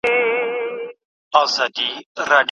د ږیري خاوند ډنډ ته د چاڼ ماشین وړلو.